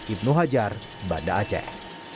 ibnu hajar banda aceh